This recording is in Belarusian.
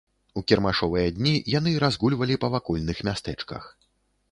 У кірмашовыя дні яны разгульвалі па вакольных мястэчках.